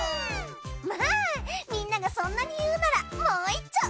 まあみんながそんなに言うならもういっちょ。